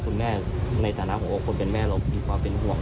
คุณแม่ในสถานะของเลยคุณแม่มีความเป็นห่วง